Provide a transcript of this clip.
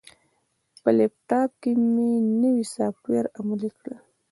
په لپټاپ کې مې نوی سافټویر عملي کړ.